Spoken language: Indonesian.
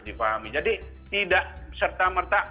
difahami jadi tidak serta merta